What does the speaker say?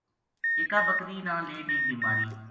اِکابکری نا لگی بیماری